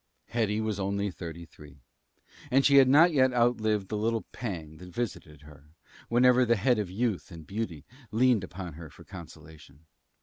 Hetty was only thirty three, and she had not yet outlived the little pang that visited her whenever the head of youth and beauty leaned upon her for consolation.